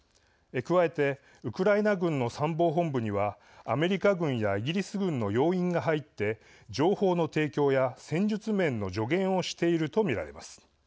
加えてウクライナ軍の参謀本部にはアメリカ軍やイギリス軍の要員が入って情報の提供や戦術面の助言をしていると見られます。